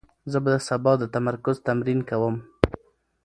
زه به سبا د تمرکز تمرین کوم.